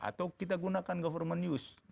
atau kita gunakan government news